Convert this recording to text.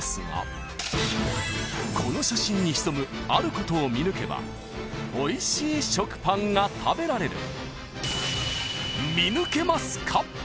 ［この写真に潜むあることを見抜けばおいしい食パンが食べられる］